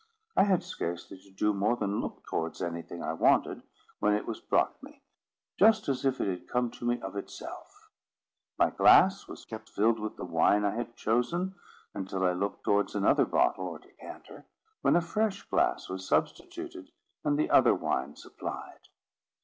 I had scarcely to do more than look towards anything I wanted, when it was brought me, just as if it had come to me of itself. My glass was kept filled with the wine I had chosen, until I looked towards another bottle or decanter; when a fresh glass was substituted, and the other wine supplied.